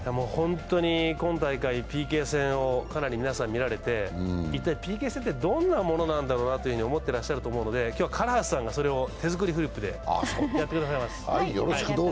今大会、ＰＫ戦をかなり皆さん、見られて一体、ＰＫ戦ってどんなものなんだろうなと思ってらっしゃると思うので今日は唐橋さんが手作りフリップでやってくださいます。